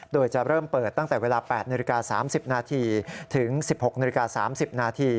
โดยจะเริ่มเปิดตั้งแต่เวลา๘๓๐นถึง๑๖๓๐น